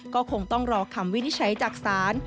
ก็คงต้องรอคำวินิจฉัยจากศาล